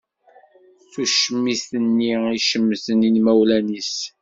Tucmit-nni i icemmten imawlan-is.